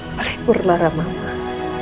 oleh purwara mamah